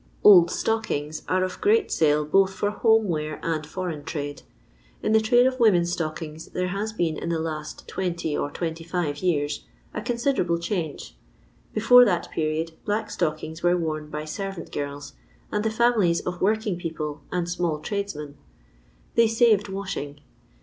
Old Stoekingt are of great sale both for home wear and foreign trade. In the trade of women's stockings there has been in the last 20 or 25 years a considerable change. Before that period black stockings were worn by servant girls, and the families of working people and small trades men ; they saved washing."